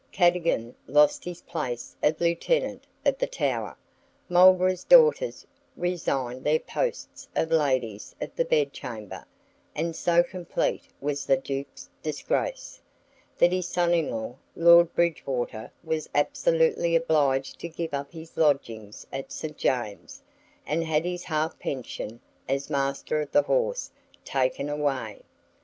Cadogan lost his place of Lieutenant of the Tower. Marlborough's daughters resigned their posts of ladies of the bedchamber; and so complete was the Duke's disgrace, that his son in law, Lord Bridgewater, was absolutely obliged to give up his lodgings at St. James's, and had his half pension, as Master of the Horse, taken away.